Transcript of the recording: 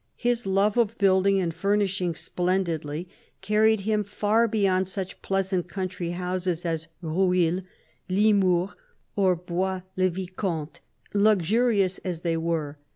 His love of building and furnishing splendidly carried him far beyond such pleasant country houses as Rueil, Limours, or Bois le Vicomte, luxurious as they were.